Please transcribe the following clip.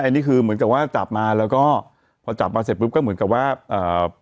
อันนี้คือเหมือนกับว่าจับมาแล้วก็พอจับมาเสร็จปุ๊บก็เหมือนกับว่าเอ่อ